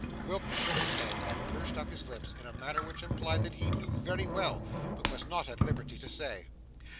Quilp shook his head, and pursed up his lips, in a manner which implied that he knew very well, but was not at liberty to say.